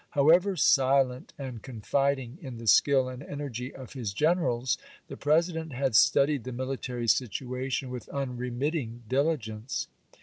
However silent and confiding in the skill and energy of his gen erals, the President had studied the military situa LINCOLN DIRECTS COOPERATION 101 tion with unremitting diligence.